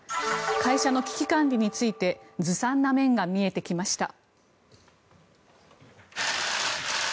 会社の危機管理についてずさんな面が見えてきました。